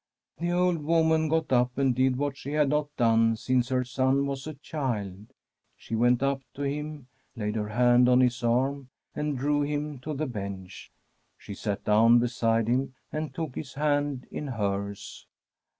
The old woman got up and did what she had not done since her son was a child. She went up to him, laid her hand on his arm, and drew him to the bench. She sat down beside him and took his hand in hers.